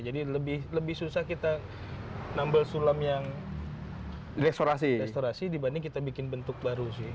jadi lebih susah kita nambel sulam yang restorasi dibanding kita bikin bentuk baru sih